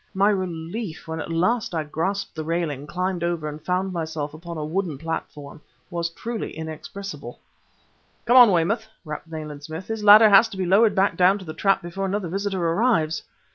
My relief when at last I grasped the railing, climbed over, and found myself upon a wooden platform, was truly inexpressible. "Come on, Weymouth!" rapped Nayland Smith. "This ladder has to be lowered back down the trap before another visitor arrives!"